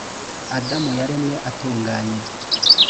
adamu yaremwe atunganye